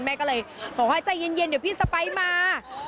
แม่ก็เลยบอกว่าใจเย็นเดี๋ยวพี่สไปมา